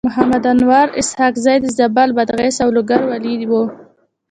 محمد انورخان اسحق زی د زابل، بادغيس او لوګر والي و.